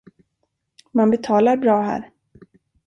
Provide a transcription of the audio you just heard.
Man betalar bra här.